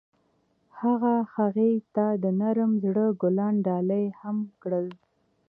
هغه هغې ته د نرم زړه ګلان ډالۍ هم کړل.